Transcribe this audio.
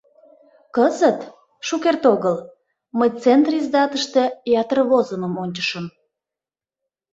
Кызыт, шукерте огыл, мый Центриздатыште ятыр возымым ончышым.